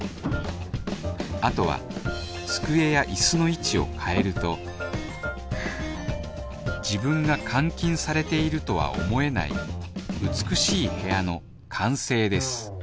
あとは机や椅子の位置を変えると自分が監禁されているとは思えない美しい部屋の完成です